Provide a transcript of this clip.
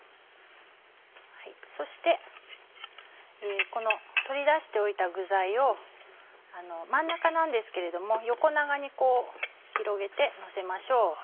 そして取り出しておいた具材を真ん中なんですけど横長に広げてのせましょう。